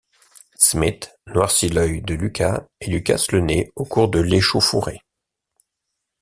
Smith noircit l’œil de Lucas et lui casse le nez au cours de l'échauffourée.